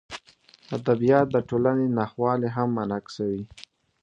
ادبیات د ټولنې ناخوالې هم منعکسوي.